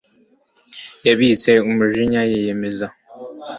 yabitse umujinya yiyemeza